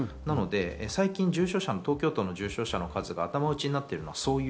最近、重症者の東京都の重症者が頭打ちになっているのはそういう